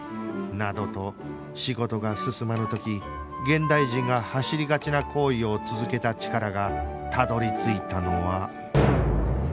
などと仕事が進まぬ時現代人が走りがちな行為を続けたチカラがたどり着いたのは